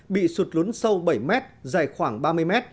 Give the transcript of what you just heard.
bị sụt lún sâu bảy mét dài khoảng ba mươi m